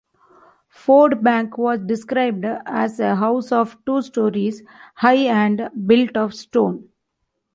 Fordbank was described as a house of two stories high and built of stone.